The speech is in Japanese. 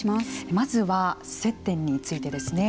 まずは接点についてですね。